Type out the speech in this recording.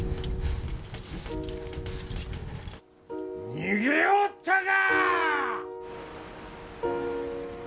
逃げおったか！